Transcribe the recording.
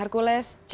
kepmompen the hadassah